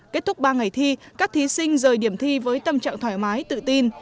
kết thúc ba ngày thi các thí sinh rời điểm thi với tâm trạng thoải mái tự tin